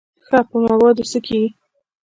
ښه په موادو څه کېږي.